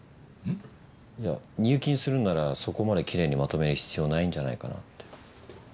いや入金するんならそこまできれいにまとめる必要ないんじゃないかなって。